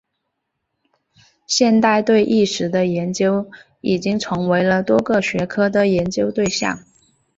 现代对意识的研究已经成为了多个学科的研究对象。